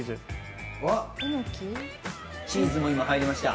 チーズも今入りました。